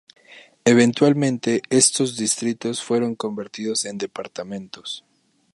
Eventualmente estos distritos fueron convertidos en departamentos.